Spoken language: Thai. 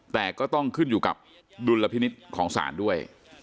แต่ก็ต้องขึ้นอยู่กับดุลพินิษฐ์ของศาลด้วย